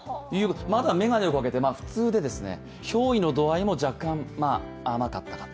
まだ眼鏡をかけて普通で、ひょう依の度合いも若干甘かった。